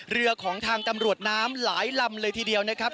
เรือของทางตำรวจน้ำหลายลำเลยทีเดียวนะครับ